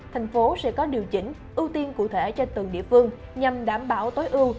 thành phố sẽ có điều chỉnh ưu tiên cụ thể cho từng địa phương nhằm đảm bảo tối ưu